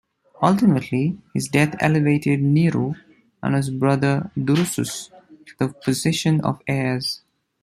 Ultimately, his death elevated Nero and his brother Drusus to the position of heirs.